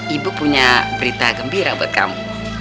ibu punya berita gembira buat kamu